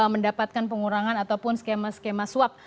mendapatkan pengurangan ataupun skema skema swab